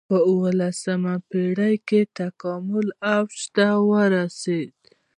په اولسمه پېړۍ کې د تکامل اوج ته ورسېد.